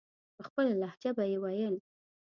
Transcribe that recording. په خپله لهجه به یې ویل.